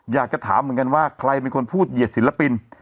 อยากจะถามเหมือนกันว่าใครเป็นคนพูดเหยียดศิลปิน